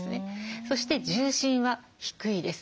そして重心は低いです。